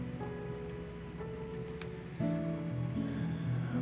bagus banget ya